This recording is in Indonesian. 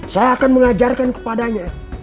saya akan mengajarkan kepadanya